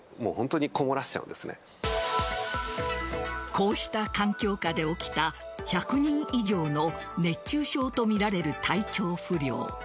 こうした環境下で起きた１００人以上の熱中症とみられる体調不良。